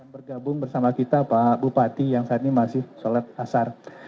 bergabung bersama kita pak bupati yang saat ini masih sholat asar